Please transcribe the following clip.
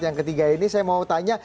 yang ketiga ini saya mau tanya